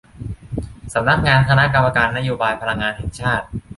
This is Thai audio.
สำนักงานคณะกรรมการนโยบายพลังงานแห่งชาติ